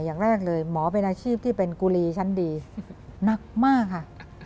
อย่างแรกเลยหมอเป็นอาชีพที่เป็นกุลีชั้นดีหนักมากค่ะ